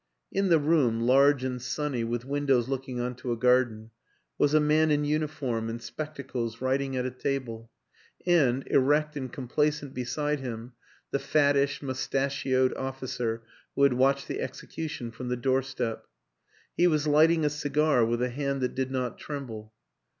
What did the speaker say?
In the room large and sunny with windows looking on to a garden was a man in uniform and spectacles writing at a table, and, erect and complacent beside him, the fattish mustachioed officer who had watched the execution from the doorstep. He was lighting a cigar with a hand that did not tremble.